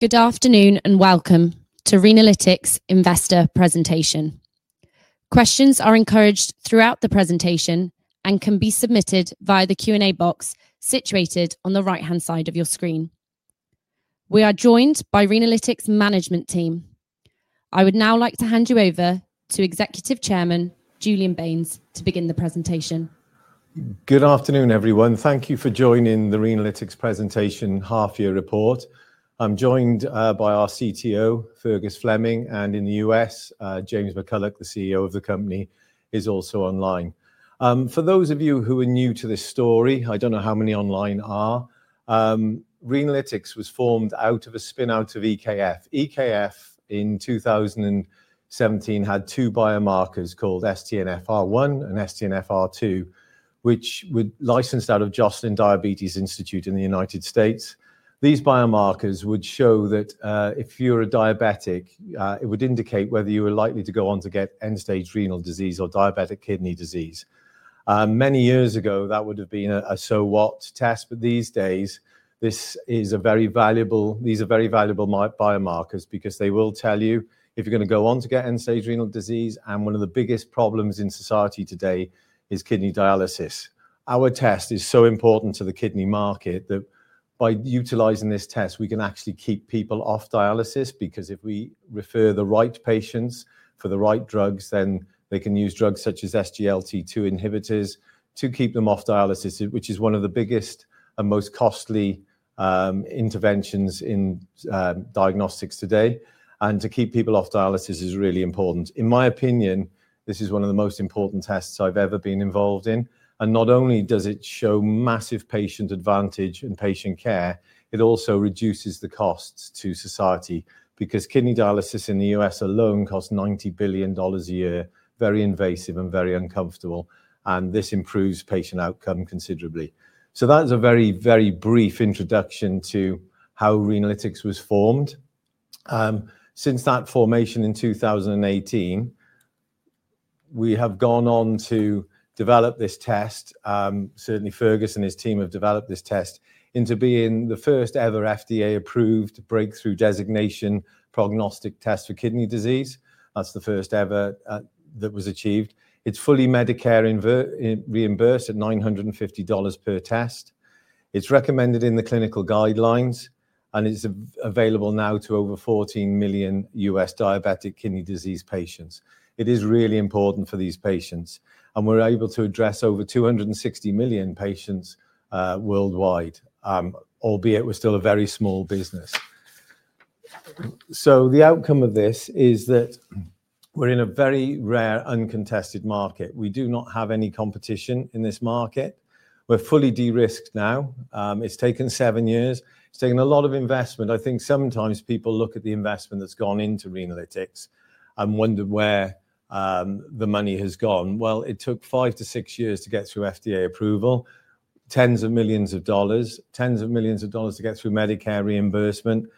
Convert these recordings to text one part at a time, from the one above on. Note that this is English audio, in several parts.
Good afternoon and welcome to Renalytix Investor Presentation. Questions are encouraged throughout the presentation and can be submitted via the Q&A box situated on the right-hand side of your screen. We are joined by Renalytix's management team. I would now like to hand you over to Executive Chairman Julian Baines to begin the presentation. Good afternoon, everyone. Thank you for joining the Renalytix Presentation half-year report. I'm joined by our CTO, Fergus Fleming, and in the US, James McCullough, the CEO of the company, is also online. For those of you who are new to this story, I don't know how many online are. Renalytix was formed out of a spin-out of EKF. EKF in 2017 had two biomarkers called sTNFR1 and sTNFR2, which were licensed out of Joslin Diabetes Center in the United States. These biomarkers would show that if you're a diabetic, it would indicate whether you were likely to go on to get end-stage renal disease or diabetic kidney disease. Many years ago, that would have been a so what test, but these days, these are very valuable biomarkers because they will tell you if you're going to go on to get end-stage renal disease. One of the biggest problems in society today is kidney dialysis. Our test is so important to the kidney market that by utilizing this test, we can actually keep people off dialysis because if we refer the right patients for the right drugs, then they can use drugs such as SGLT2 inhibitors to keep them off dialysis, which is one of the biggest and most costly interventions in diagnostics today. To keep people off dialysis is really important. In my opinion, this is one of the most important tests I've ever been involved in. Not only does it show massive patient advantage and patient care, it also reduces the costs to society because kidney dialysis in the U.S. alone costs $90 billion a year, very invasive and very uncomfortable, and this improves patient outcome considerably. That is a very, very brief introduction to how Renalytix was formed. Since that formation in 2018, we have gone on to develop this test. Certainly, Fergus and his team have developed this test into being the first ever FDA-approved breakthrough designation prognostic test for kidney disease. That is the first ever that was achieved. It is fully Medicare reimbursed at $950 per test. It is recommended in the clinical guidelines, and it is available now to over 14 million U.S. diabetic kidney disease patients. It is really important for these patients, and we are able to address over 260 million patients worldwide, albeit we are still a very small business. The outcome of this is that we're in a very rare, uncontested market. We do not have any competition in this market. We're fully de-risked now. It's taken seven years. It's taken a lot of investment. I think sometimes people look at the investment that's gone into Renalytix and wonder where the money has gone. It took five to six years to get through FDA approval, tens of millions of dollars, tens of millions of dollars to get through Medicare reimbursement.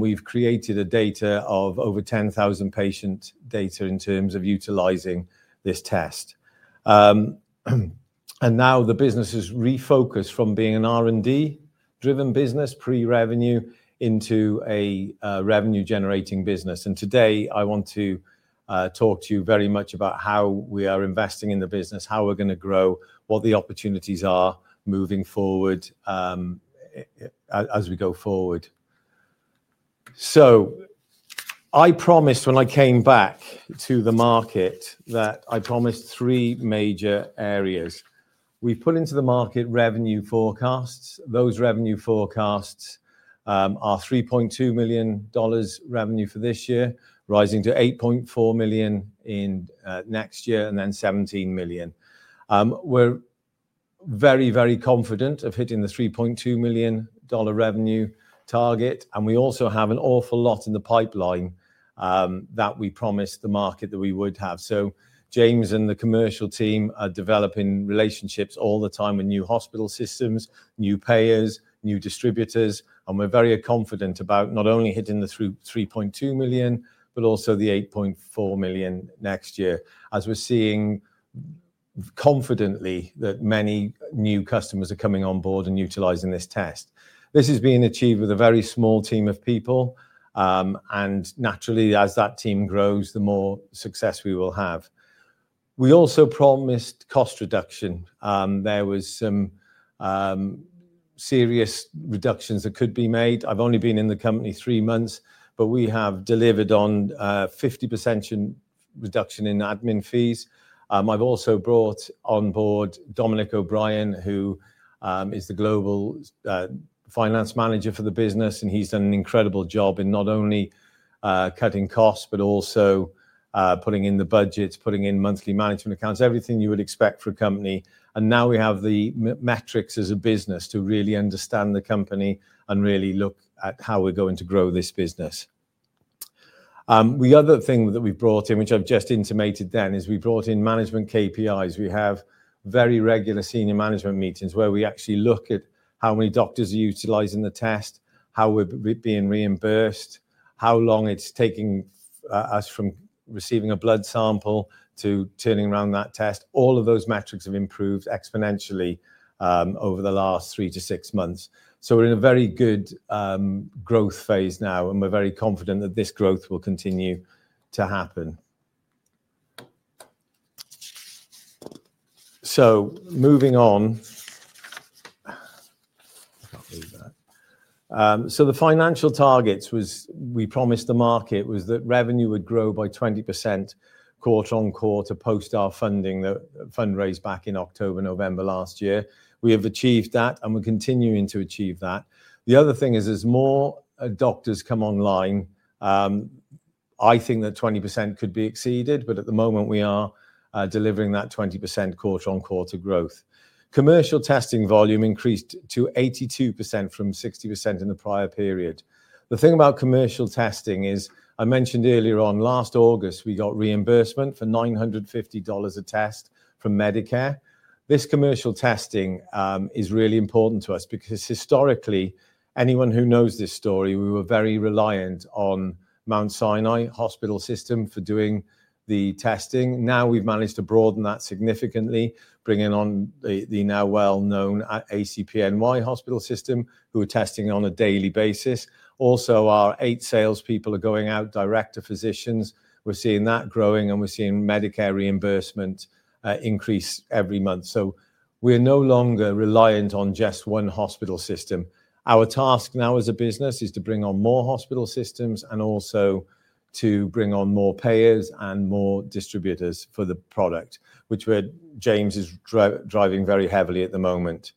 We've created a data of over 10,000 patient data in terms of utilizing this test. Now the business has refocused from being an R&D-driven business, pre-revenue, into a revenue-generating business. Today, I want to talk to you very much about how we are investing in the business, how we're going to grow, what the opportunities are moving forward as we go forward. I promised when I came back to the market that I promised three major areas. We've put into the market revenue forecasts. Those revenue forecasts are $3.2 million revenue for this year, rising to $8.4 million next year, and then $17 million. We're very, very confident of hitting the $3.2 million revenue target, and we also have an awful lot in the pipeline that we promised the market that we would have. James and the commercial team are developing relationships all the time with new hospital systems, new payers, new distributors, and we're very confident about not only hitting the $3.2 million, but also the $8.4 million next year, as we're seeing confidently that many new customers are coming on board and utilizing this test. This is being achieved with a very small team of people, and naturally, as that team grows, the more success we will have. We also promised cost reduction. There were some serious reductions that could be made. I've only been in the company three months, but we have delivered on a 50% reduction in admin fees. I've also brought on board Dominic O'Brien, who is the global finance manager for the business, and he's done an incredible job in not only cutting costs, but also putting in the budgets, putting in monthly management accounts, everything you would expect for a company. Now we have the metrics as a business to really understand the company and really look at how we're going to grow this business. The other thing that we've brought in, which I've just intimated then, is we brought in management KPIs. We have very regular senior management meetings where we actually look at how many doctors are utilizing the test, how we're being reimbursed, how long it's taking us from receiving a blood sample to turning around that test. All of those metrics have improved exponentially over the last three to six months. We are in a very good growth phase now, and we are very confident that this growth will continue to happen. Moving on, the financial targets we promised the market was that revenue would grow by 20% quarter-on-quarter post our funding fundraise back in October and November last year. We have achieved that, and we are continuing to achieve that. The other thing is, as more doctors come online, I think that 20% could be exceeded, but at the moment, we are delivering that 20% quarter-on-quarter growth. Commercial testing volume increased to 82% from 60% in the prior period. The thing about commercial testing is, I mentioned earlier on, last August, we got reimbursement for $950 a test from Medicare. This commercial testing is really important to us because historically, anyone who knows this story, we were very reliant on Mount Sinai Health System for doing the testing. Now we've managed to broaden that significantly, bringing on the now well-known ACPNY Hospital System who are testing on a daily basis. Also, our eight salespeople are going out direct to physicians. We're seeing that growing, and we're seeing Medicare reimbursement increase every month. We are no longer reliant on just one hospital system. Our task now as a business is to bring on more hospital systems and also to bring on more payers and more distributors for the product, which James is driving very heavily at the moment.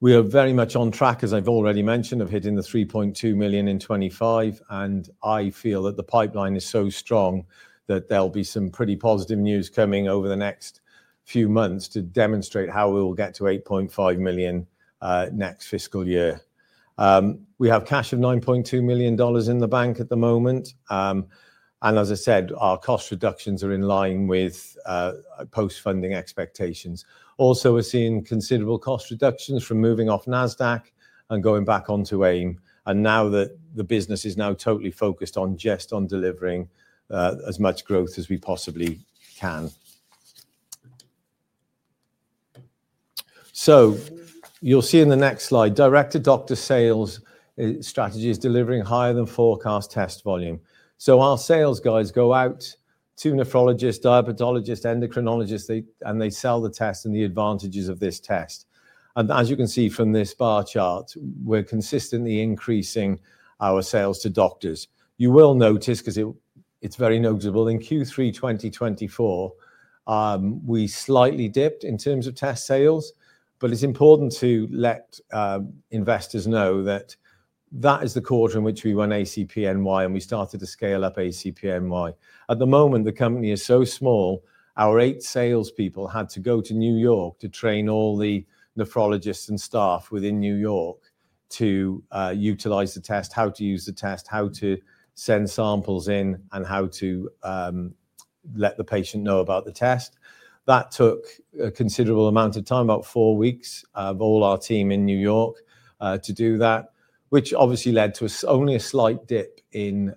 We are very much on track, as I've already mentioned, of hitting the $3.2 million in 2025, and I feel that the pipeline is so strong that there'll be some pretty positive news coming over the next few months to demonstrate how we will get to $8.5 million next fiscal year. We have cash of $9.2 million in the bank at the moment. As I said, our cost reductions are in line with post-funding expectations. Also, we're seeing considerable cost reductions from moving off NASDAQ and going back onto AIM. Now that the business is now totally focused on just delivering as much growth as we possibly can. You will see in the next slide, Direct-to-Doctor Sales Strategy is delivering higher than forecast test volume. Our sales guys go out to nephrologists, diabetologists, endocrinologists, and they sell the test and the advantages of this test. As you can see from this bar chart, we're consistently increasing our sales to doctors. You will notice, because it's very noticeable, in Q3 2024, we slightly dipped in terms of test sales, but it's important to let investors know that that is the quarter in which we run ACPNY and we started to scale up ACPNY. At the moment, the company is so small, our eight salespeople had to go to New York to train all the nephrologists and staff within New York to utilize the test, how to use the test, how to send samples in, and how to let the patient know about the test. That took a considerable amount of time, about four weeks of all our team in New York to do that, which obviously led to only a slight dip in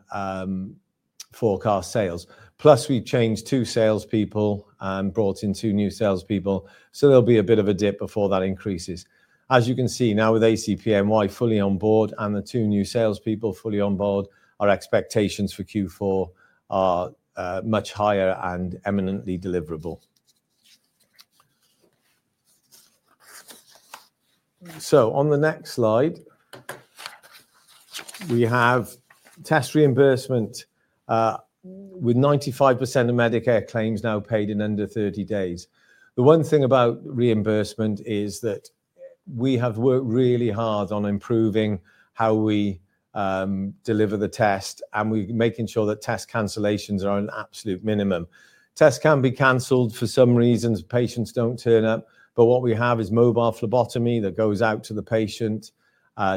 forecast sales. Plus, we changed two salespeople and brought in two new salespeople, so there'll be a bit of a dip before that increases. As you can see now with ACPNY fully on board and the two new salespeople fully on board, our expectations for Q4 are much higher and eminently deliverable. On the next slide, we have test reimbursement with 95% of Medicare claims now paid in under 30 days. The one thing about reimbursement is that we have worked really hard on improving how we deliver the test and making sure that test cancellations are an absolute minimum. Tests can be canceled for some reasons. Patients don't turn up, but what we have is mobile phlebotomy that goes out to the patient,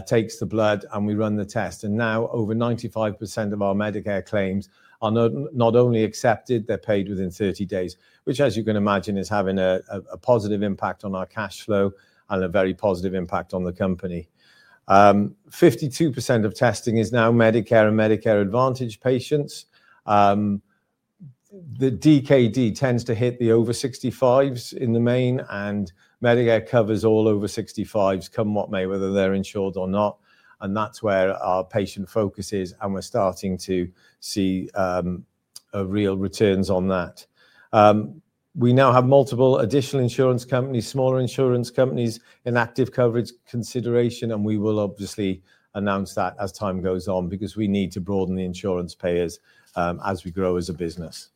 takes the blood, and we run the test. Now over 95% of our Medicare claims are not only accepted, they're paid within 30 days, which, as you can imagine, is having a positive impact on our cash flow and a very positive impact on the company. 52% of testing is now Medicare and Medicare Advantage patients. The DKD tends to hit the over 65s in the main, and Medicare covers all over 65s, come what may, whether they're insured or not. That's where our patient focus is, and we're starting to see real returns on that. We now have multiple additional insurance companies, smaller insurance companies, in active coverage consideration, and we will obviously announce that as time goes on because we need to broaden the insurance payers as we grow as a business.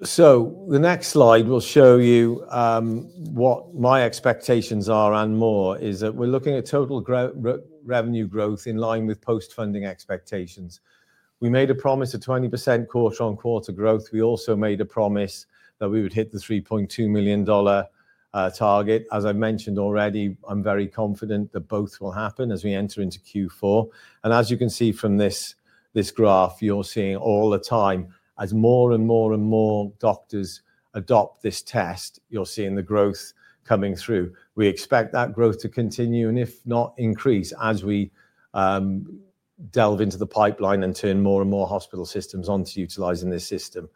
The next slide will show you what my expectations are and more is that we're looking at total revenue growth in line with post-funding expectations. We made a promise of 20% quarter on quarter growth. We also made a promise that we would hit the $3.2 million target. As I mentioned already, I'm very confident that both will happen as we enter into Q4. As you can see from this graph, you're seeing all the time as more and more and more doctors adopt this test, you're seeing the growth coming through. We expect that growth to continue and, if not, increase as we delve into the pipeline and turn more and more hospital systems onto utilizing this system.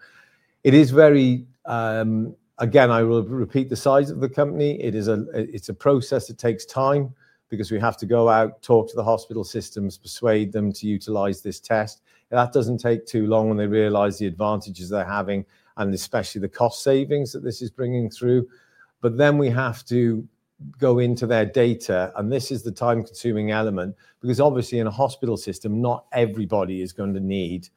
It is very, again, I will repeat the size of the company. It's a process that takes time because we have to go out, talk to the hospital systems, persuade them to utilize this test. That doesn't take too long when they realize the advantages they're having and especially the cost savings that this is bringing through. We have to go into their data, and this is the time-consuming element because obviously in a hospital system, not everybody is going to need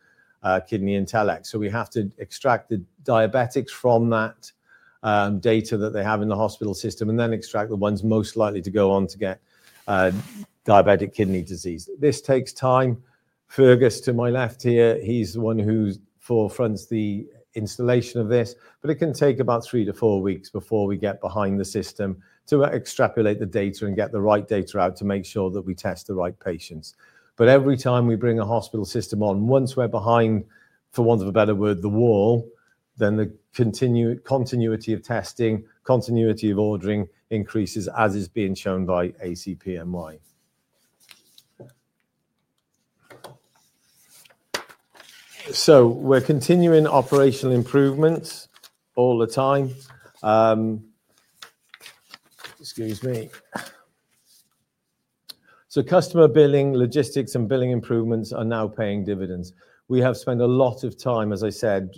KidneyIntelX. We have to extract the diabetics from that data that they have in the hospital system and then extract the ones most likely to go on to get diabetic kidney disease. This takes time. Fergus to my left here, he's the one who forefronts the installation of this, but it can take about three to four weeks before we get behind the system to extrapolate the data and get the right data out to make sure that we test the right patients. Every time we bring a hospital system on, once we're behind, for want of a better word, the wall, then the continuity of testing, continuity of ordering increases as is being shown by ACPNY. We are continuing operational improvements all the time. Excuse me. Customer billing, logistics, and billing improvements are now paying dividends. We have spent a lot of time, as I said,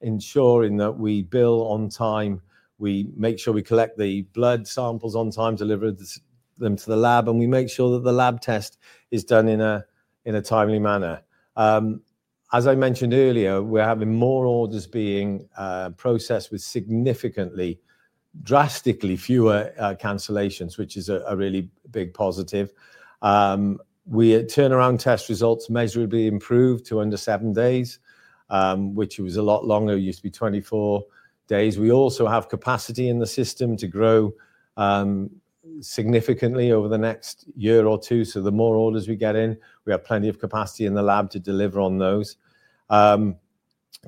ensuring that we bill on time. We make sure we collect the blood samples on time, deliver them to the lab, and we make sure that the lab test is done in a timely manner. As I mentioned earlier, we're having more orders being processed with significantly, drastically fewer cancellations, which is a really big positive. We turn around test results measurably improved to under seven days, which was a lot longer. It used to be 24 days. We also have capacity in the system to grow significantly over the next year or two. The more orders we get in, we have plenty of capacity in the lab to deliver on those.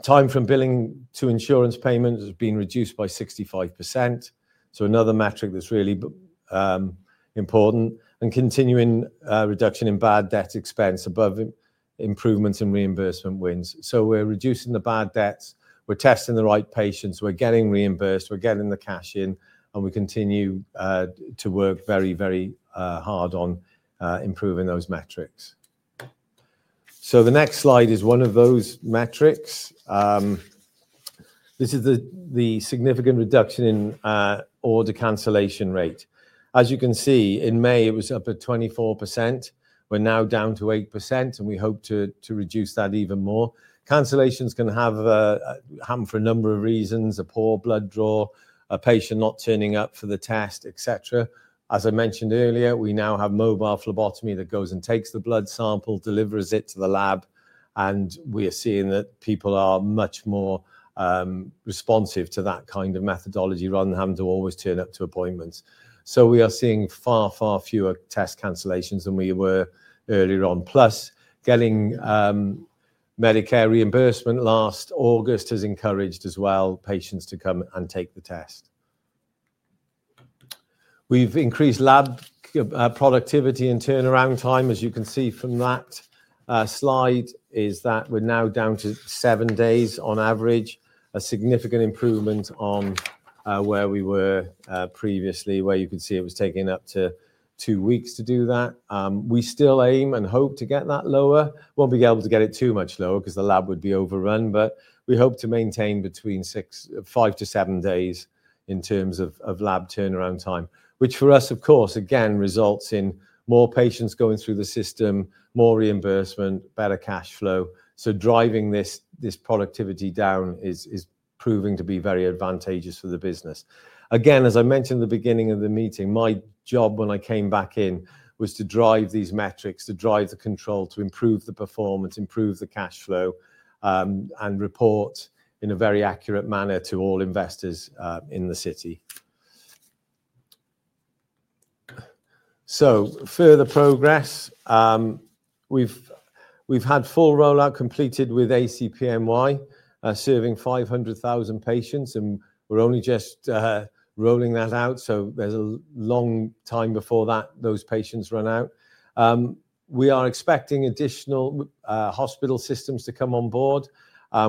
Time from billing to insurance payments has been reduced by 65%. Another metric that's really important and continuing reduction in bad debt expense above improvements and reimbursement wins. We're reducing the bad debts. We're testing the right patients. We're getting reimbursed. We're getting the cash in, and we continue to work very, very hard on improving those metrics. The next slide is one of those metrics. This is the significant reduction in order cancellation rate. As you can see, in May, it was up at 24%. We're now down to 8%, and we hope to reduce that even more. Cancellations can happen for a number of reasons: a poor blood draw, a patient not turning up for the test, etc. As I mentioned earlier, we now have mobile phlebotomy that goes and takes the blood sample, delivers it to the lab, and we are seeing that people are much more responsive to that kind of methodology rather than having to always turn up to appointments. We are seeing far, far fewer test cancellations than we were earlier on. Plus, getting Medicare reimbursement last August has encouraged as well patients to come and take the test. We've increased lab productivity and turnaround time. As you can see from that slide, we're now down to seven days on average, a significant improvement on where we were previously, where you could see it was taking up to two weeks to do that. We still aim and hope to get that lower. We won't be able to get it too much lower because the lab would be overrun, but we hope to maintain between five to seven days in terms of lab turnaround time, which for us, of course, again, results in more patients going through the system, more reimbursement, better cash flow. Driving this productivity down is proving to be very advantageous for the business. Again, as I mentioned at the beginning of the meeting, my job when I came back in was to drive these metrics, to drive the control, to improve the performance, improve the cash flow, and report in a very accurate manner to all investors in the city. Further progress. We've had full rollout completed with ACPNY, serving 500,000 patients, and we're only just rolling that out, so there's a long time before those patients run out. We are expecting additional hospital systems to come on board.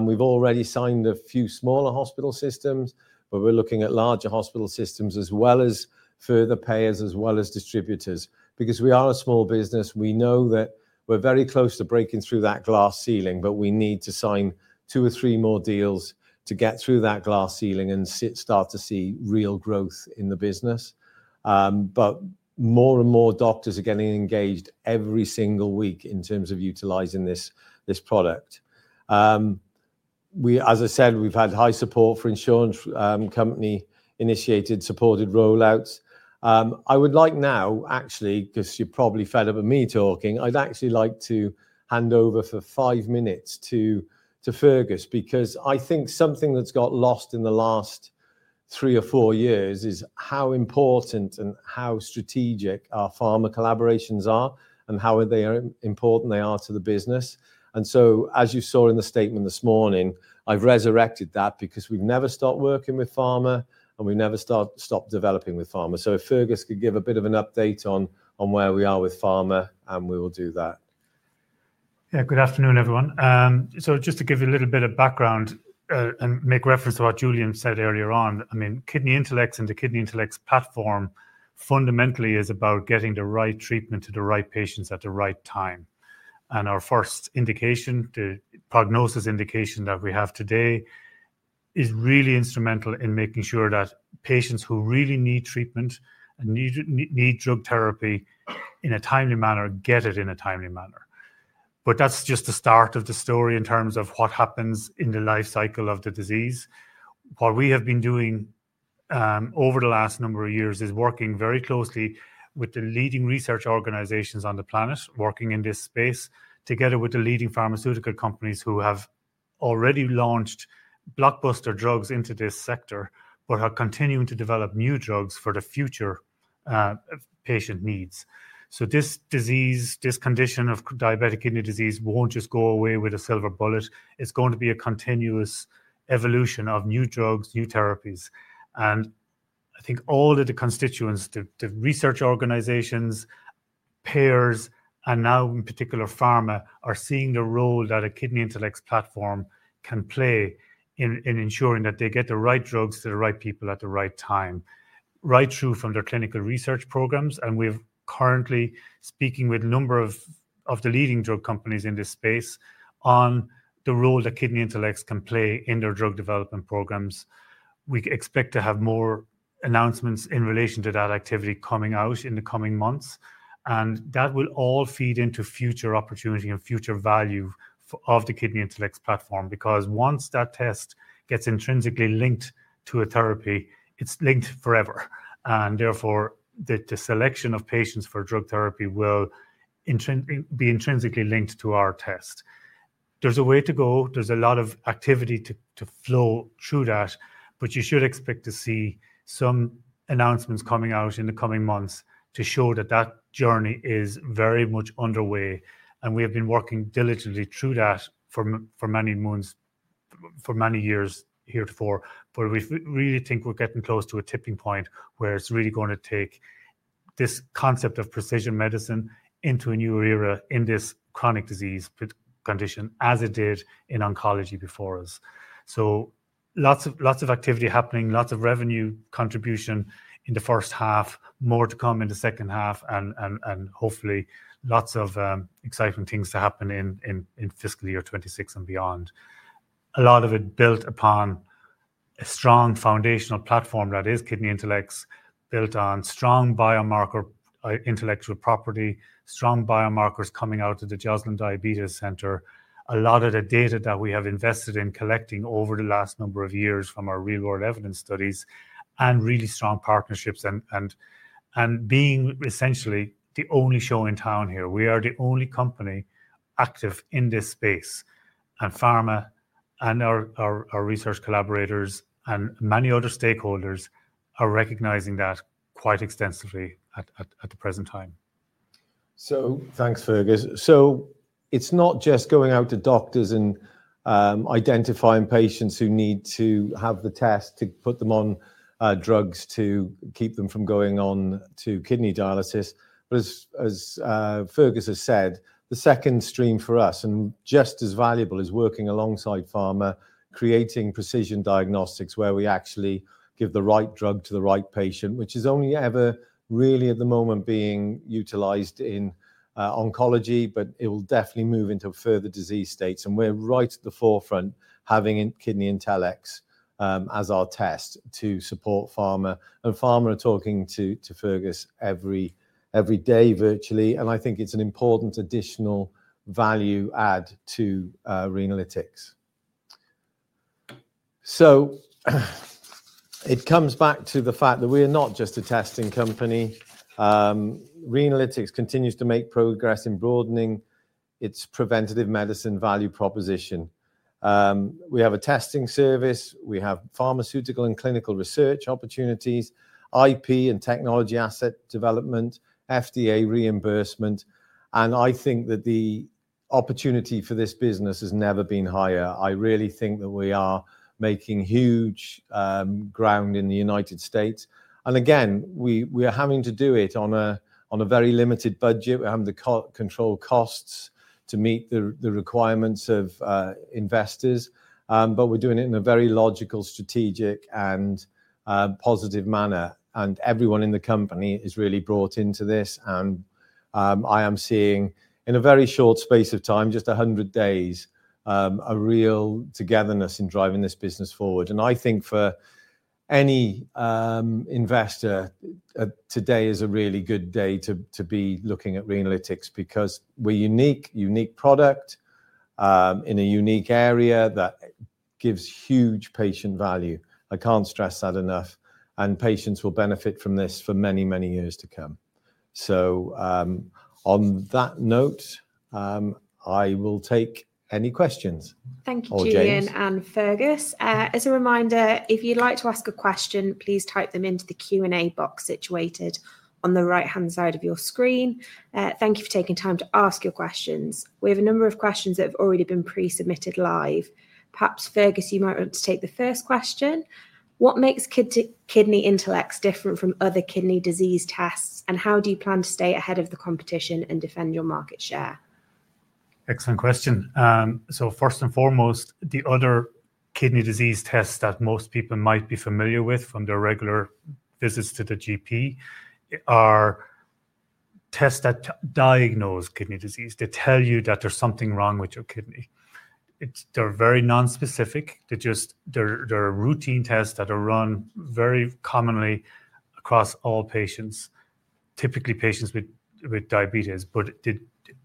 We've already signed a few smaller hospital systems, but we're looking at larger hospital systems as well as further payers as well as distributors. Because we are a small business, we know that we're very close to breaking through that glass ceiling, but we need to sign two or three more deals to get through that glass ceiling and start to see real growth in the business. More and more doctors are getting engaged every single week in terms of utilizing this product. As I said, we've had high support for insurance company-initiated supported rollouts. I would like now, actually, because you're probably fed up with me talking, I'd actually like to hand over for five minutes to Fergus because I think something that's got lost in the last three or four years is how important and how strategic our pharma collaborations are and how important they are to the business. As you saw in the statement this morning, I've resurrected that because we've never stopped working with pharma and we've never stopped developing with pharma. If Fergus could give a bit of an update on where we are with pharma, we will do that. Yeah, good afternoon, everyone. Just to give you a little bit of background and make reference to what Julian said earlier on, I mean, KidneyIntelX and the KidneyIntelX platform fundamentally is about getting the right treatment to the right patients at the right time. Our first indication, the prognosis indication that we have today, is really instrumental in making sure that patients who really need treatment and need drug therapy in a timely manner get it in a timely manner. That is just the start of the story in terms of what happens in the life cycle of the disease. What we have been doing over the last number of years is working very closely with the leading research organizations on the planet working in this space together with the leading pharmaceutical companies who have already launched blockbuster drugs into this sector but are continuing to develop new drugs for the future patient needs. This disease, this condition of diabetic kidney disease will not just go away with a silver bullet. It is going to be a continuous evolution of new drugs, new therapies. I think all of the constituents, the research organizations, payers, and now in particular pharma are seeing the role that a KidneyIntelX platform can play in ensuring that they get the right drugs to the right people at the right time, right through from their clinical research programs. We're currently speaking with a number of the leading drug companies in this space on the role that KidneyIntelX can play in their drug development programs. We expect to have more announcements in relation to that activity coming out in the coming months. That will all feed into future opportunity and future value of the KidneyIntelX platform because once that test gets intrinsically linked to a therapy, it's linked forever. Therefore, the selection of patients for drug therapy will be intrinsically linked to our test. There's a way to go is a lot of activity to flow through that, but you should expect to see some announcements coming out in the coming months to show that that journey is very much underway. We have been working diligently through that for many months, for many years here before, but we really think we are getting close to a tipping point where it is really going to take this concept of precision medicine into a new era in this chronic disease condition as it did in oncology before us. Lots of activity happening, lots of revenue contribution in the first half, more to come in the second half, and hopefully lots of exciting things to happen in fiscal year 2026 and beyond. A lot of it built upon a strong foundational platform that is KidneyIntelX, built on strong biomarker intellectual property, strong biomarkers coming out of the Joslin Diabetes Center, a lot of the data that we have invested in collecting over the last number of years from our real-world evidence studies, and really strong partnerships and being essentially the only show in town here. We are the only company active in this space, and pharma and our research collaborators and many other stakeholders are recognizing that quite extensively at the present time. Thanks, Fergus. It is not just going out to doctors and identifying patients who need to have the test to put them on drugs to keep them from going on to kidney dialysis. As Fergus has said, the second stream for us and just as valuable is working alongside pharma, creating precision diagnostics where we actually give the right drug to the right patient, which is only ever really at the moment being utilized in oncology, but it will definitely move into further disease states. We are right at the forefront having KidneyIntelX as our test to support pharma. Pharma are talking to Fergus every day virtually, and I think it is an important additional value add to Renalytix. It comes back to the fact that we are not just a testing company. Renalytix continues to make progress in broadening its preventative medicine value proposition. We have a testing service. We have pharmaceutical and clinical research opportunities, IP and technology asset development, FDA reimbursement. I think that the opportunity for this business has never been higher. I really think that we are making huge ground in the United States. Again, we are having to do it on a very limited budget. We're having to control costs to meet the requirements of investors, but we're doing it in a very logical, strategic, and positive manner. Everyone in the company is really brought into this. I am seeing in a very short space of time, just 100 days, a real togetherness in driving this business forward. I think for any investor, today is a really good day to be looking at Renalytix because we're a unique product in a unique area that gives huge patient value. I can't stress that enough. Patients will benefit from this for many, many years to come. On that note, I will take any questions. Thank you, Julian and Fergus. As a reminder, if you'd like to ask a question, please type them into the Q&A box situated on the right-hand side of your screen. Thank you for taking time to ask your questions. We have a number of questions that have already been pre-submitted live. Perhaps, Fergus, you might want to take the first question. What makes KidneyIntelX different from other kidney disease tests, and how do you plan to stay ahead of the competition and defend your market share? Excellent question. First and foremost, the other kidney disease tests that most people might be familiar with from their regular visits to the GP are tests that diagnose kidney disease. They tell you that there's something wrong with your kidney. They're very non-specific. They're routine tests that are run very commonly across all patients, typically patients with diabetes.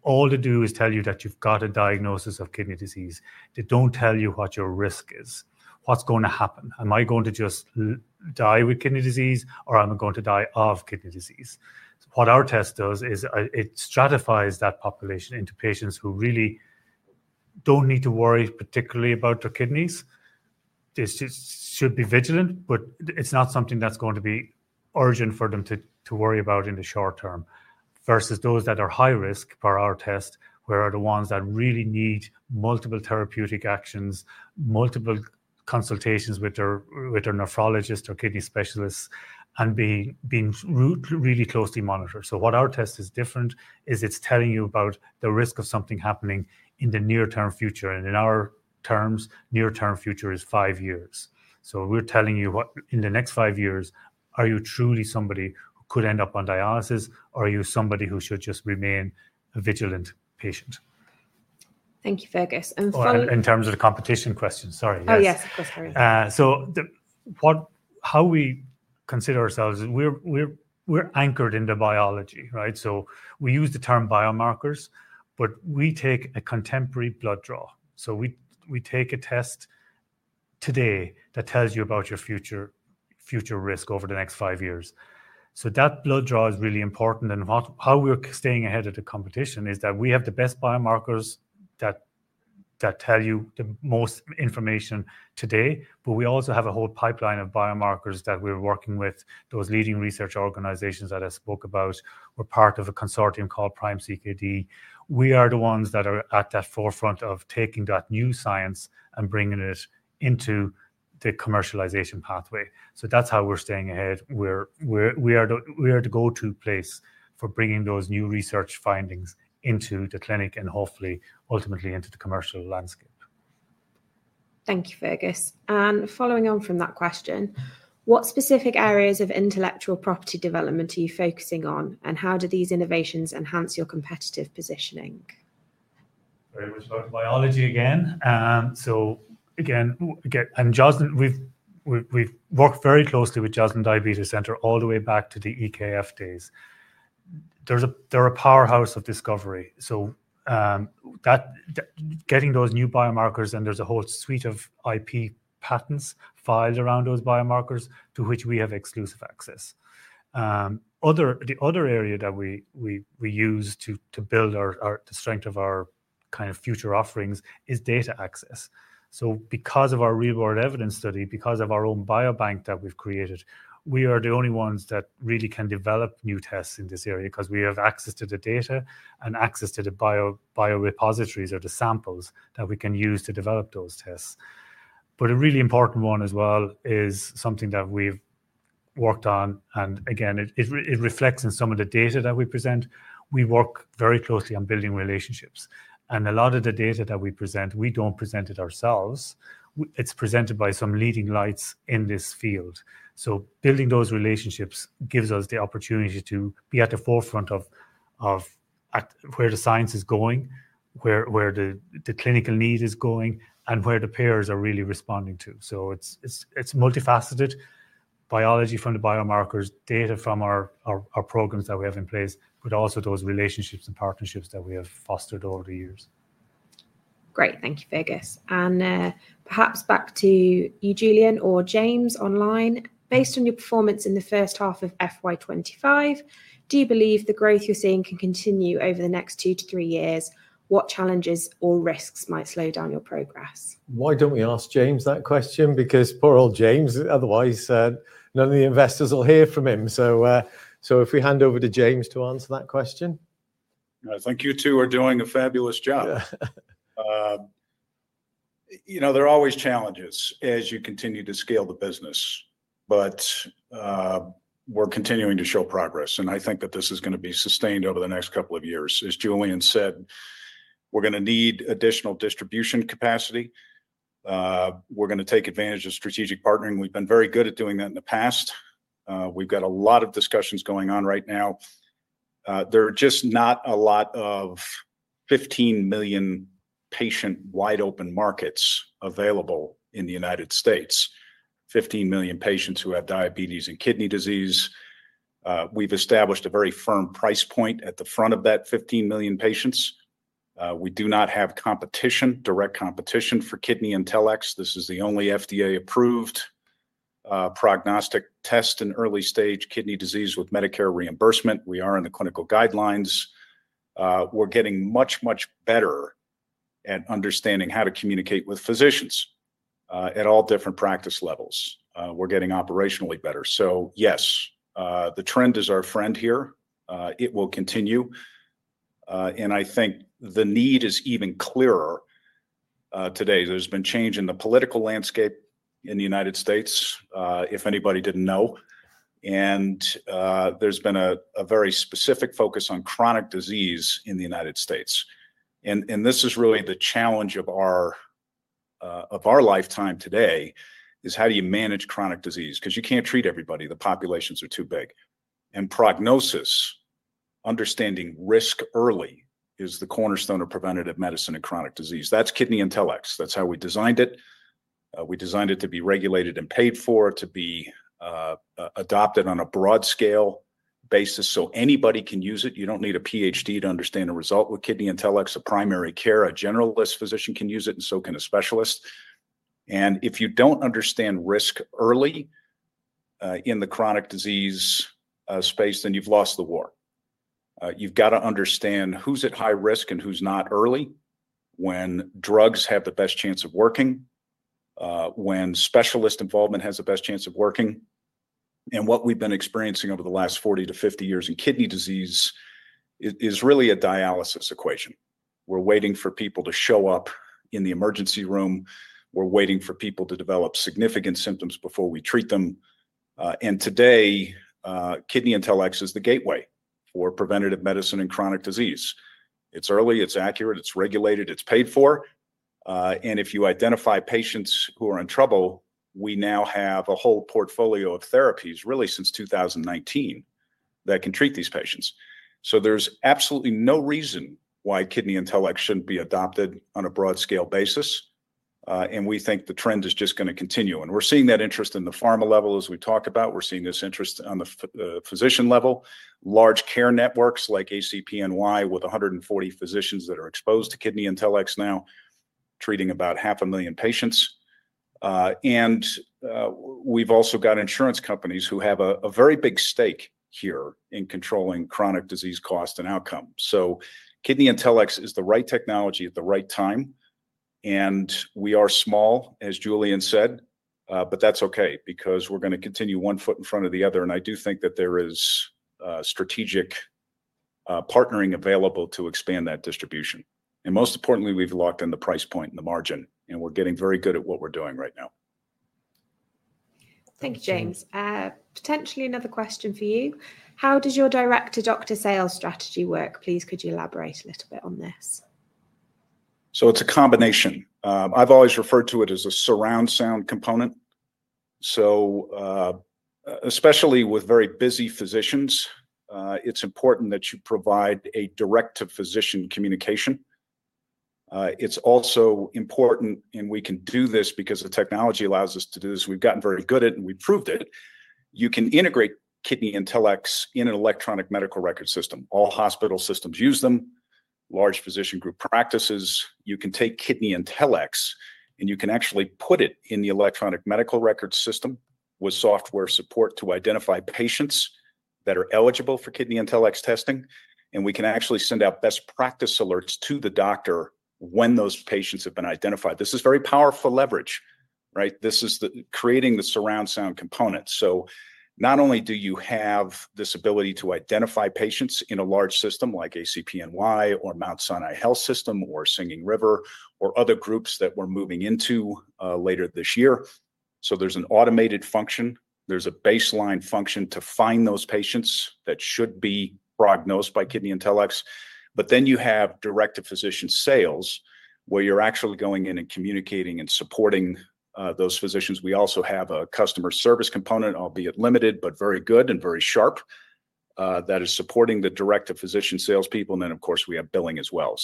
All they do is tell you that you've got a diagnosis of kidney disease. They don't tell you what your risk is. What's going to happen? Am I going to just die with kidney disease, or am I going to die of kidney disease? What our test does is it stratifies that population into patients who really don't need to worry particularly about their kidneys. They should be vigilant, but it's not something that's going to be urgent for them to worry about in the short term versus those that are high risk per our test, where the ones that really need multiple therapeutic actions, multiple consultations with their nephrologist or kidney specialist, and being really closely monitored. What our test is different is it's telling you about the risk of something happening in the near-term future. In our terms, near-term future is five years. We're telling you in the next five years, are you truly somebody who could end up on dialysis, or are you somebody who should just remain a vigilant patient? Thank you, Fergus. Finally, in terms of the competition question, sorry. Yes, of course. How we consider ourselves is we're anchored in the biology, right? We use the term biomarkers, but we take a contemporary blood draw. We take a test today that tells you about your future risk over the next five years. That blood draw is really important. How we're staying ahead of the competition is that we have the best biomarkers that tell you the most information today, but we also have a whole pipeline of biomarkers that we're working with those leading research organizations that I spoke about. We're part of a consortium called PRIME-CKD. We are the ones that are at that forefront of taking that new science and bringing it into the commercialization pathway. That is how we're staying ahead. We are the go-to place for bringing those new research findings into the clinic and hopefully, ultimately, into the commercial landscape. Thank you, Fergus. Following on from that question, what specific areas of intellectual property development are you focusing on, and how do these innovations enhance your competitive positioning? Very much about biology again. Again, and Joslin, we've worked very closely with Joslin Diabetes Center all the way back to the EKF days. They are a powerhouse of discovery. Getting those new biomarkers, and there's a whole suite of IP patents filed around those biomarkers to which we have exclusive access. The other area that we use to build the strength of our kind of future offerings is data access. Because of our real-world evidence study, because of our own biobank that we've created, we are the only ones that really can develop new tests in this area because we have access to the data and access to the biorepositories or the samples that we can use to develop those tests. A really important one as well is something that we've worked on. Again, it reflects in some of the data that we present. We work very closely on building relationships. A lot of the data that we present, we don't present it ourselves. It's presented by some leading lights in this field. Building those relationships gives us the opportunity to be at the forefront of where the science is going, where the clinical need is going, and where the payers are really responding to. It is multifaceted biology from the biomarkers, data from our programs that we have in place, but also those relationships and partnerships that we have fostered over the years. Great. Thank you, Fergus. Perhaps back to you, Julian or James online. Based on your performance in the first half of FY2025, do you believe the growth you are seeing can continue over the next two to three years? What challenges or risks might slow down your progress? Why do we not ask James that question? Because poor old James, otherwise none of the investors will hear from him. If we hand over to James to answer that question. Thank you too. We are doing a fabulous job. There are always challenges as you continue to scale the business, but we are continuing to show progress. I think that this is going to be sustained over the next couple of years. As Julian said, we're going to need additional distribution capacity. We're going to take advantage of strategic partnering. We've been very good at doing that in the past. We've got a lot of discussions going on right now. There are just not a lot of 15 million patient wide-open markets available in the United States. 15 million patients who have diabetes and kidney disease. We've established a very firm price point at the front of that 15 million patients. We do not have direct competition for KidneyIntelX. This is the only FDA-approved prognostic test in early-stage kidney disease with Medicare reimbursement. We are in the clinical guidelines. We're getting much, much better at understanding how to communicate with physicians at all different practice levels. We're getting operationally better. The trend is our friend here. It will continue. I think the need is even clearer today. There's been change in the political landscape in the United States, if anybody didn't know. There's been a very specific focus on chronic disease in the United States. This is really the challenge of our lifetime today: how do you manage chronic disease? Because you can't treat everybody. The populations are too big. Prognosis, understanding risk early, is the cornerstone of preventative medicine in chronic disease. That's KidneyIntelX. That's how we designed it. We designed it to be regulated and paid for, to be adopted on a broad-scale basis so anybody can use it. You don't need a PhD to understand a result with KidneyIntelX. A primary care, a generalist physician can use it, and so can a specialist. If you don't understand risk early in the chronic disease space, then you've lost the war. You've got to understand who's at high risk and who's not early when drugs have the best chance of working, when specialist involvement has the best chance of working. What we've been experiencing over the last 40 to 50 years in kidney disease is really a dialysis equation. We're waiting for people to show up in the emergency room. We're waiting for people to develop significant symptoms before we treat them. Today, KidneyIntelX is the gateway for preventative medicine in chronic disease. It's early. It's accurate. It's regulated. It's paid for. If you identify patients who are in trouble, we now have a whole portfolio of therapies, really since 2019, that can treat these patients. There's absolutely no reason why KidneyIntelX shouldn't be adopted on a broad-scale basis. We think the trend is just going to continue. We're seeing that interest at the pharma level, as we talk about. We're seeing this interest on the physician level. Large care networks like ACPNY with 140 physicians that are exposed to KidneyIntelX now, treating about 500,000 patients. We've also got insurance companies who have a very big stake here in controlling chronic disease cost and outcome. KidneyIntelX is the right technology at the right time. We are small, as Julian said, but that's okay because we're going to continue one foot in front of the other. I do think that there is strategic partnering available to expand that distribution. Most importantly, we've locked in the price point and the margin. We're getting very good at what we're doing right now. Thank you, James. Potentially another question for you. How does your direct-to-doctor sales strategy work? Please, could you elaborate a little bit on this? It's a combination. I've always referred to it as a surround sound component. Especially with very busy physicians, it's important that you provide a direct-to-physician communication. It's also important, and we can do this because the technology allows us to do this. We've gotten very good at it, and we've proved it. You can integrate KidneyIntelX in an electronic medical record system. All hospital systems use them, large physician group practices. You can take KidneyIntelX, and you can actually put it in the electronic medical record system with software support to identify patients that are eligible for KidneyIntelX testing. We can actually send out best practice alerts to the doctor when those patients have been identified. This is very powerful leverage, right? This is creating the surround sound component. Not only do you have this ability to identify patients in a large system like ACPNY or Mount Sinai Health System or Singing River or other groups that we're moving into later this year. There is an automated function. There is a baseline function to find those patients that should be prognosed by KidneyIntelX. You have direct-to-physician sales where you're actually going in and communicating and supporting those physicians. We also have a customer service component, albeit limited, but very good and very sharp that is supporting the direct-to-physician salespeople. Of course, we have billing as well.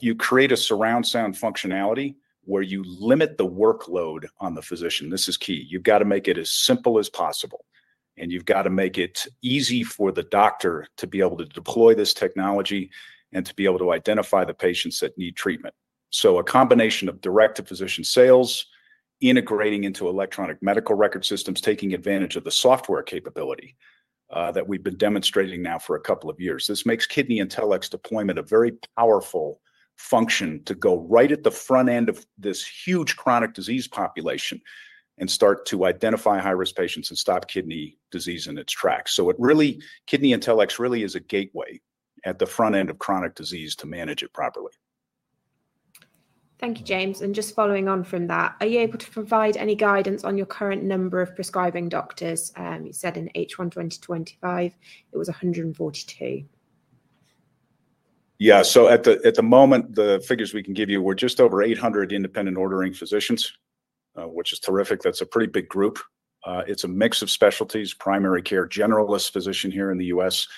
You create a surround sound functionality where you limit the workload on the physician. This is key. You've got to make it as simple as possible. You have to make it easy for the doctor to be able to deploy this technology and to be able to identify the patients that need treatment. A combination of direct-to-physician sales, integrating into electronic medical record systems, taking advantage of the software capability that we have been demonstrating now for a couple of years. This makes KidneyIntelX deployment a very powerful function to go right at the front end of this huge chronic disease population and start to identify high-risk patients and stop kidney disease in its tracks. KidneyIntelX really is a gateway at the front end of chronic disease to manage it properly. Thank you, James. Just following on from that, are you able to provide any guidance on your current number of prescribing doctors? You said in H1 2025, it was 142. Yeah. At the moment, the figures we can give you, we're just over 800 independent ordering physicians, which is terrific. That's a pretty big group. It's a mix of specialties, primary care, generalist physician here in the US,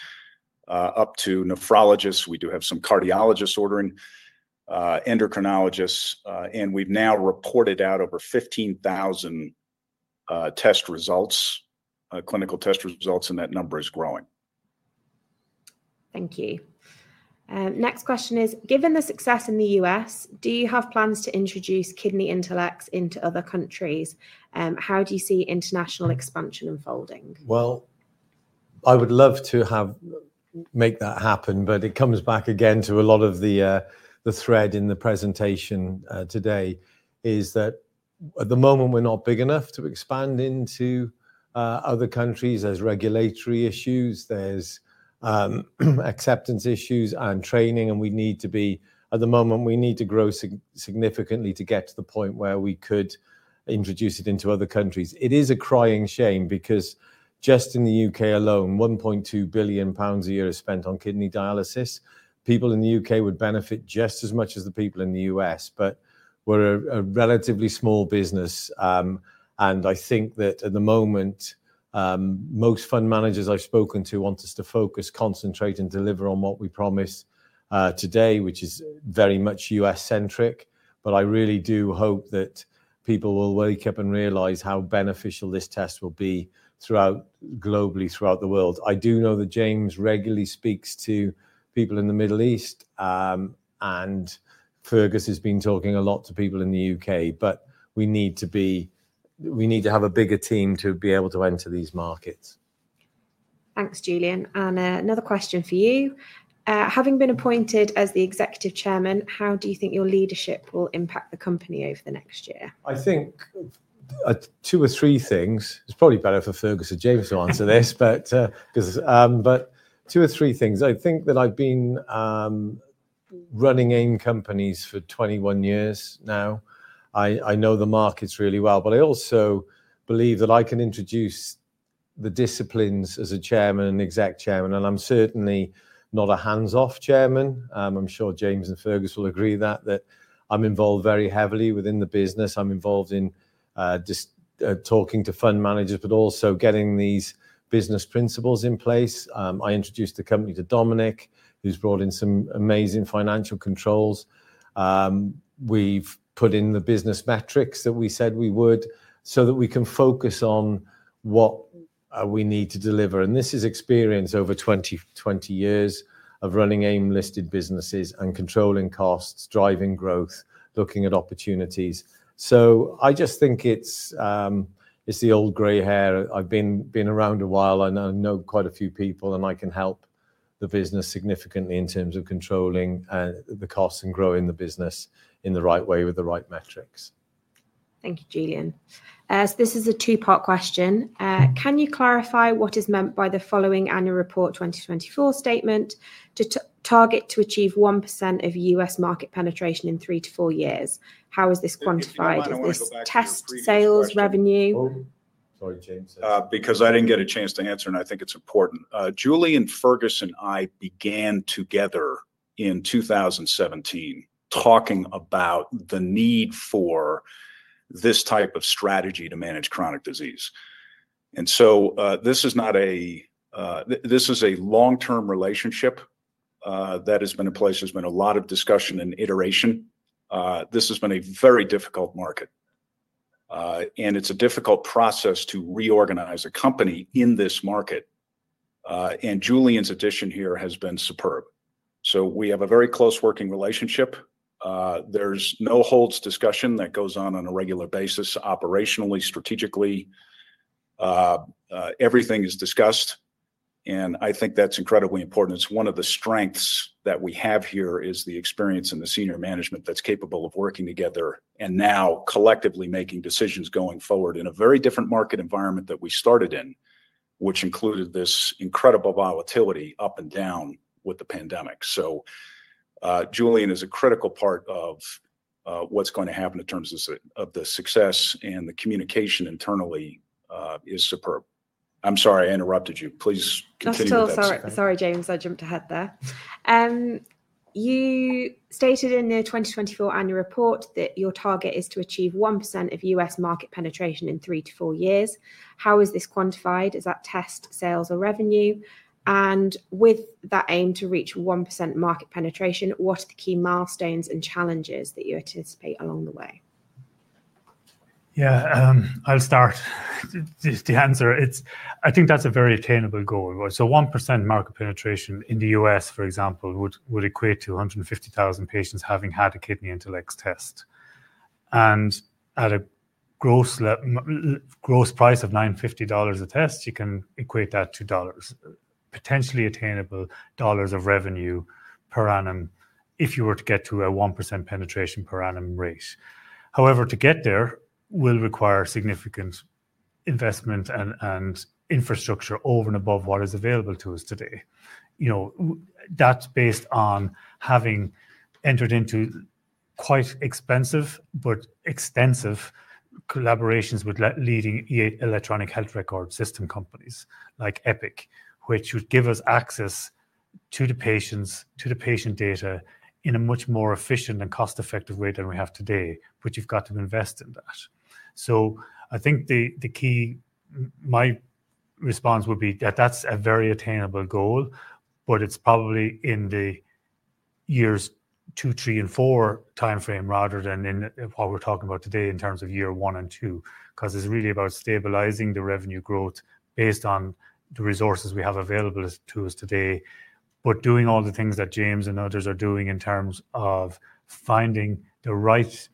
up to nephrologists. We do have some cardiologists ordering, endocrinologists. We've now reported out over 15,000 test results, clinical test results, and that number is growing. Thank you. Next question is, given the success in the US, do you have plans to introduce KidneyIntelX into other countries? How do you see international expansion unfolding? I would love to make that happen, but it comes back again to a lot of the thread in the presentation today is that at the moment, we're not big enough to expand into other countries. There's regulatory issues. There's acceptance issues and training. We need to be at the moment, we need to grow significantly to get to the point where we could introduce it into other countries. It is a crying shame because just in the U.K. alone, 1.2 billion pounds a year is spent on kidney dialysis. People in the U.K. would benefit just as much as the people in the US, but we're a relatively small business. I think that at the moment, most fund managers I've spoken to want us to focus, concentrate, and deliver on what we promised today, which is very much US-centric. I really do hope that people will wake up and realize how beneficial this test will be globally throughout the world. I do know that James regularly speaks to people in the Middle East, and Fergus has been talking a lot to people in the U.K. We need to have a bigger team to be able to enter these markets. Thanks, Julian. Another question for you. Having been appointed as the Executive Chairman, how do you think your leadership will impact the company over the next year? I think two or three things. It's probably better for Fergus and James to answer this, but two or three things. I think that I've been running AIM companies for 21 years now. I know the markets really well, but I also believe that I can introduce the disciplines as a Chairman and Exec Chairman. I'm certainly not a hands-off Chairman. I'm sure James and Fergus will agree that I'm involved very heavily within the business. I'm involved in talking to fund managers, but also getting these business principles in place. I introduced the company to Dominic, who's brought in some amazing financial controls. We've put in the business metrics that we said we would so that we can focus on what we need to deliver. This is experience over 20 years of running AIM-listed businesses and controlling costs, driving growth, looking at opportunities. I just think it's the old gray hair. I've been around a while, and I know quite a few people, and I can help the business significantly in terms of controlling the costs and growing the business in the right way with the right metrics. Thank you, Julian. This is a two-part question. Can you clarify what is meant by the following annual report 2024 statement to target to achieve 1% of US market penetration in three to four years? How is this quantified? Is this test, sales, revenue? Sorry, James, because I didn't get a chance to answer, and I think it's important. Julian, Fergus, and I began together in 2017 talking about the need for this type of strategy to manage chronic disease. This is not a long-term relationship that has been in place. There has been a lot of discussion and iteration. This has been a very difficult market. It is a difficult process to reorganize a company in this market. Julian's addition here has been superb. We have a very close working relationship. There is no holds discussion that goes on on a regular basis, operationally, strategically. Everything is discussed. I think that is incredibly important. It is one of the strengths that we have here, the experience in the senior management that is capable of working together and now collectively making decisions going forward in a very different market environment that we started in, which included this incredible volatility up and down with the pandemic. Julian is a critical part of what's going to happen in terms of the success, and the communication internally is superb. I'm sorry, I interrupted you. Please continue. Sorry, James, I jumped ahead there. You stated in the 2024 annual report that your target is to achieve 1% of US market penetration in three to four years. How is this quantified? Is that test, sales, or revenue? With that aim to reach 1% market penetration, what are the key milestones and challenges that you anticipate along the way? Yeah, I'll start to answer. I think that's a very attainable goal. 1% market penetration in the US, for example, would equate to 150,000 patients having had a KidneyIntelX test. At a gross price of $950 a test, you can equate that to potentially attainable dollars of revenue per annum if you were to get to a 1% penetration per annum rate. However, to get there will require significant investment and infrastructure over and above what is available to us today. That is based on having entered into quite expensive but extensive collaborations with leading electronic health record system companies like Epic, which would give us access to the patient data in a much more efficient and cost-effective way than we have today, but you have got to invest in that. I think my response would be that that's a very attainable goal, but it's probably in the years two, three, and four timeframe rather than in what we're talking about today in terms of year one and two, because it's really about stabilizing the revenue growth based on the resources we have available to us today, but doing all the things that James and others are doing in terms of finding the right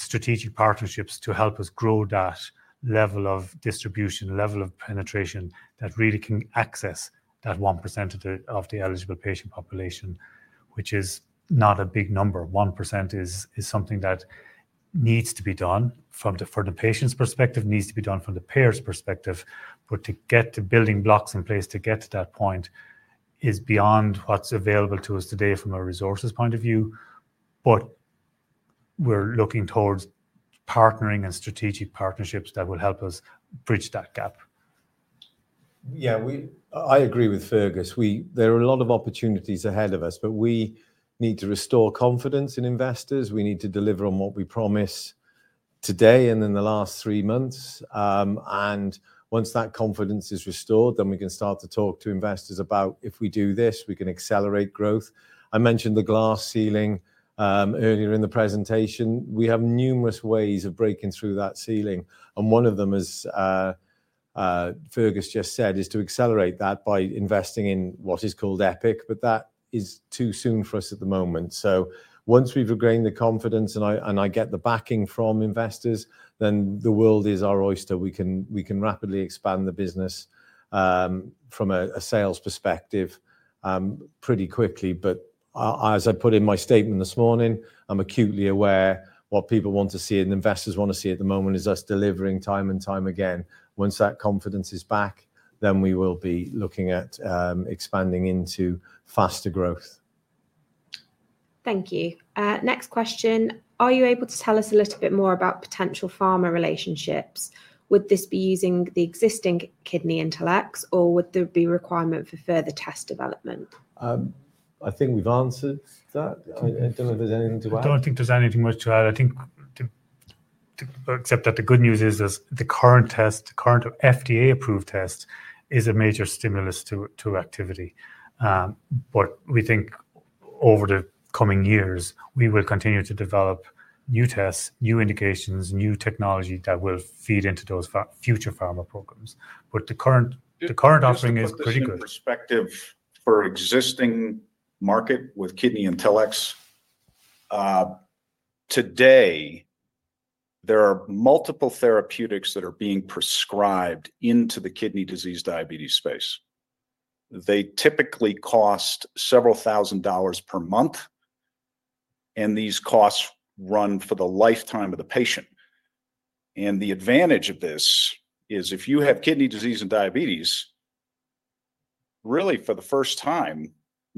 strategic partnerships to help us grow that level of distribution, level of penetration that really can access that 1% of the eligible patient population, which is not a big number. 1% is something that needs to be done from the patient's perspective, needs to be done from the payer's perspective. To get the building blocks in place to get to that point is beyond what's available to us today from a resources point of view. We are looking towards partnering and strategic partnerships that will help us bridge that gap. I agree with Fergus. There are a lot of opportunities ahead of us, but we need to restore confidence in investors. We need to deliver on what we promised today and in the last three months. Once that confidence is restored, we can start to talk to investors about if we do this, we can accelerate growth. I mentioned the glass ceiling earlier in the presentation. We have numerous ways of breaking through that ceiling. One of them, as Fergus just said, is to accelerate that by investing in what is called Epic, but that is too soon for us at the moment. Once we have regained the confidence and I get the backing from investors, the world is our oyster. We can rapidly expand the business from a sales perspective pretty quickly. As I put in my statement this morning, I'm acutely aware what people want to see and investors want to see at the moment is us delivering time and time again. Once that confidence is back, we will be looking at expanding into faster growth. Thank you. Next question. Are you able to tell us a little bit more about potential pharma relationships? Would this be using the existing KidneyIntelX, or would there be a requirement for further test development? I think we've answered that. I don't know if there's anything to add. I don't think there's anything much to add. I think except that the good news is the current test, the current FDA-approved test is a major stimulus to activity. We think over the coming years, we will continue to develop new tests, new indications, new technology that will feed into those future pharma programs. The current offering is pretty good. From a perspective for existing market with KidneyIntelX, today, there are multiple therapeutics that are being prescribed into the kidney disease diabetes space. They typically cost several thousand dollars per month, and these costs run for the lifetime of the patient. The advantage of this is if you have kidney disease and diabetes, really for the first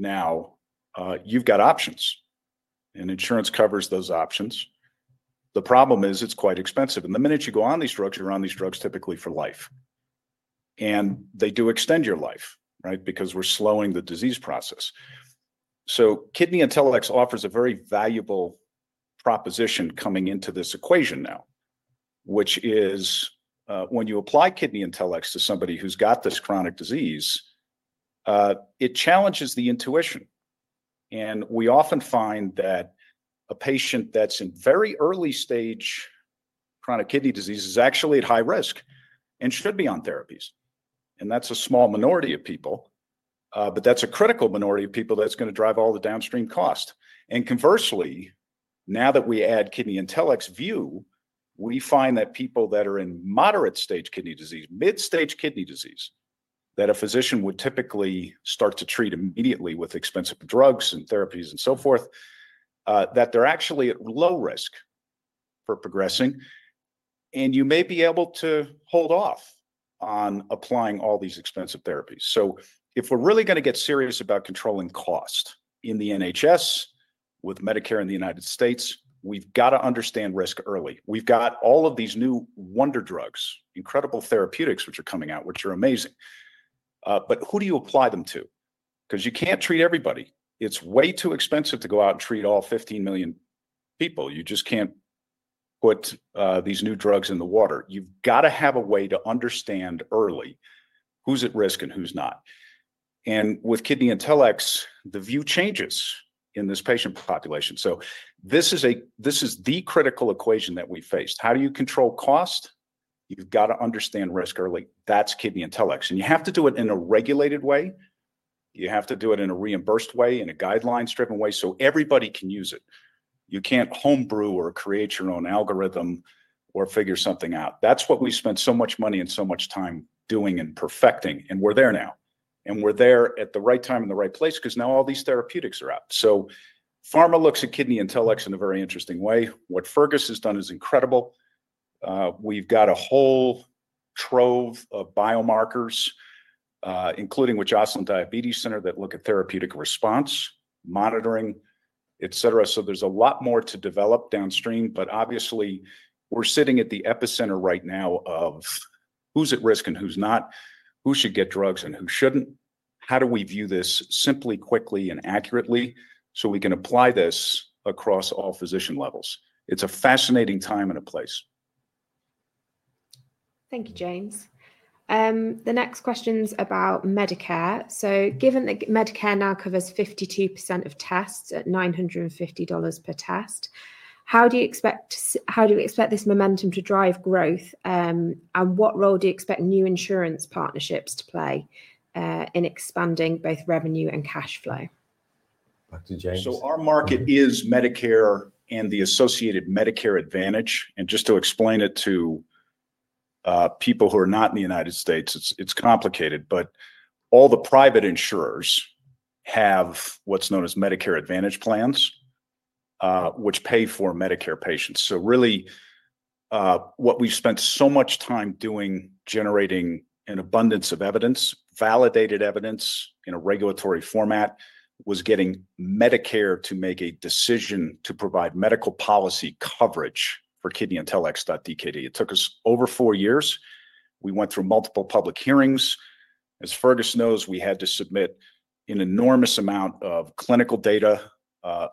time now, you've got options, and insurance covers those options. The problem is it's quite expensive. The minute you go on these drugs, you're on these drugs typically for life. They do extend your life, right, because we're slowing the disease process. KidneyIntelX offers a very valuable proposition coming into this equation now, which is when you apply KidneyIntelX to somebody who's got this chronic disease, it challenges the intuition. We often find that a patient that's in very early stage chronic kidney disease is actually at high risk and should be on therapies. That's a small minority of people, but that's a critical minority of people that's going to drive all the downstream cost. Conversely, now that we add KidneyIntelX's view, we find that people that are in moderate stage kidney disease, mid-stage kidney disease, that a physician would typically start to treat immediately with expensive drugs and therapies and so forth, that they're actually at low risk for progressing. You may be able to hold off on applying all these expensive therapies. If we're really going to get serious about controlling cost in the NHS with Medicare in the United States, we've got to understand risk early. We've got all of these new wonder drugs, incredible therapeutics which are coming out, which are amazing. Who do you apply them to? You can't treat everybody. It's way too expensive to go out and treat all 15 million people. You just can't put these new drugs in the water. You've got to have a way to understand early who's at risk and who's not. With KidneyIntelX, the view changes in this patient population. This is the critical equation that we faced. How do you control cost? You've got to understand risk early. That's KidneyIntelX. You have to do it in a regulated way. You have to do it in a reimbursed way, in a guideline-driven way so everybody can use it. You can't homebrew or create your own algorithm or figure something out. That's what we spent so much money and so much time doing and perfecting. We're there now. We're there at the right time and the right place because now all these therapeutics are out. Pharma looks at KidneyIntelX in a very interesting way. What Fergus has done is incredible. We've got a whole trove of biomarkers, including with Joslin Diabetes Center that look at therapeutic response, monitoring, etc. There's a lot more to develop downstream. Obviously, we're sitting at the epicenter right now of who's at risk and who's not, who should get drugs and who shouldn't. How do we view this simply, quickly, and accurately so we can apply this across all physician levels? It's a fascinating time and a place. Thank you, James. The next question is about Medicare. Given that Medicare now covers 52% of tests at $950 per test, how do you expect this momentum to drive growth? What role do you expect new insurance partnerships to play in expanding both revenue and cash flow? Back to James. Our market is Medicare and the associated Medicare Advantage. Just to explain it to people who are not in the United States, it's complicated. All the private insurers have what's known as Medicare Advantage plans, which pay for Medicare patients. What we've spent so much time doing generating an abundance of evidence, validated evidence in a regulatory format, was getting Medicare to make a decision to provide medical policy coverage for KidneyIntelX. It took us over four years. We went through multiple public hearings. As Fergus knows, we had to submit an enormous amount of clinical data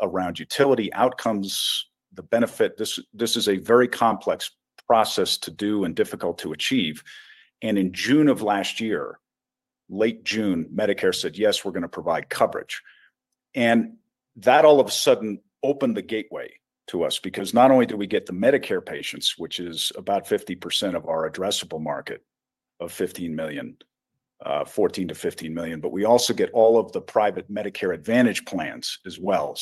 around utility outcomes, the benefit. This is a very complex process to do and difficult to achieve. In June of last year, late June, Medicare said, "Yes, we're going to provide coverage." That all of a sudden opened the gateway to us because not only do we get the Medicare patients, which is about 50% of our addressable market of 15 million, 14-15 million, but we also get all of the private Medicare Advantage plans as well.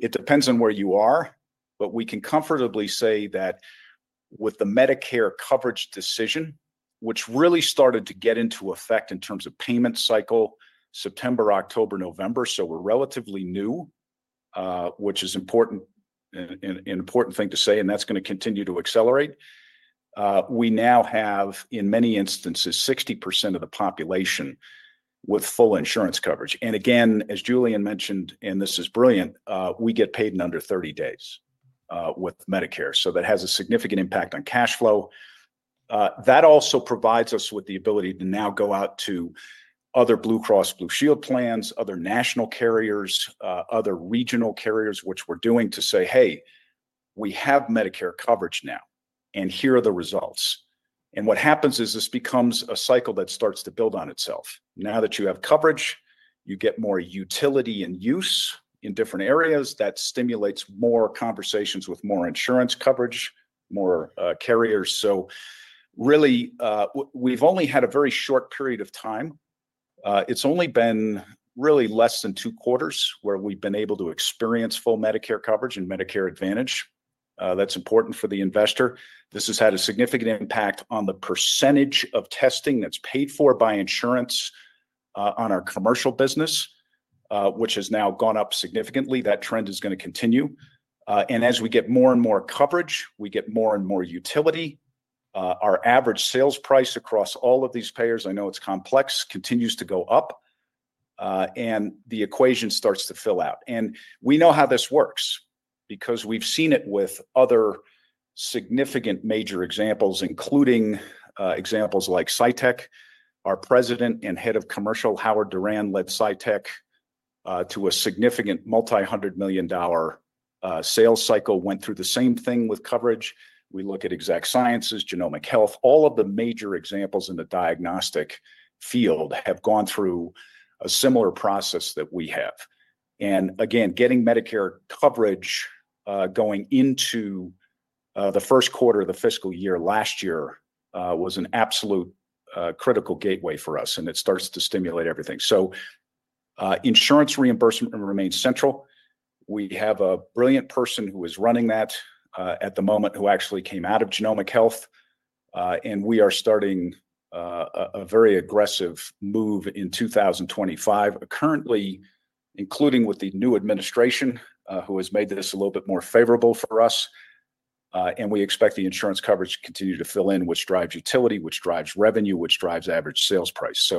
It depends on where you are, but we can comfortably say that with the Medicare coverage decision, which really started to get into effect in terms of payment cycle, September, October, November, so we're relatively new, which is an important thing to say, and that's going to continue to accelerate. We now have, in many instances, 60% of the population with full insurance coverage. Again, as Julian mentioned, and this is brilliant, we get paid in under 30 days with Medicare. That has a significant impact on cash flow. That also provides us with the ability to now go out to other Blue Cross Blue Shield plans, other national carriers, other regional carriers, which we're doing to say, "Hey, we have Medicare coverage now, and here are the results." What happens is this becomes a cycle that starts to build on itself. Now that you have coverage, you get more utility and use in different areas. That stimulates more conversations with more insurance coverage, more carriers. Really, we've only had a very short period of time. It's only been really less than two quarters where we've been able to experience full Medicare coverage and Medicare Advantage. That's important for the investor. This has had a significant impact on the percentage of testing that's paid for by insurance on our commercial business, which has now gone up significantly. That trend is going to continue. As we get more and more coverage, we get more and more utility. Our average sales price across all of these payers, I know it's complex, continues to go up. The equation starts to fill out. We know how this works because we've seen it with other significant major examples, including examples like Exact Sciences. Our President and Head of Commercial, Howard Doran, led Cytyc to a significant multi-hundred million dollar sales cycle, went through the same thing with coverage. We look at Exact Sciences, Genomic Health. All of the major examples in the diagnostic field have gone through a similar process that we have. Getting Medicare coverage going into the first quarter of the fiscal year last year was an absolute critical gateway for us, and it starts to stimulate everything. Insurance reimbursement remains central. We have a brilliant person who is running that at the moment who actually came out of Genomic Health. We are starting a very aggressive move in 2025, currently, including with the new administration who has made this a little bit more favorable for us. We expect the insurance coverage to continue to fill in, which drives utility, which drives revenue, which drives average sales price.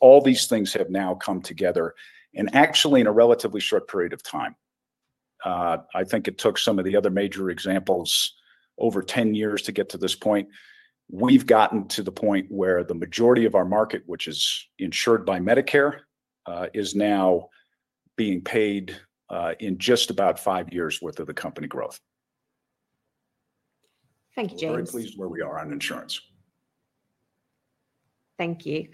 All these things have now come together. Actually, in a relatively short period of time, I think it took some of the other major examples over 10 years to get to this point. We have gotten to the point where the majority of our market, which is insured by Medicare, is now being paid in just about five years' worth of the company growth. Thank you, James. Very pleased where we are on insurance. Thank you.